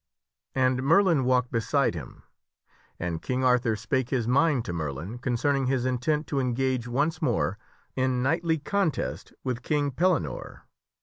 And Merlin walked beside him, and King Arthur spake his mind to Merlin concerning his intent to engage once more in knightly contest with King Pellinore.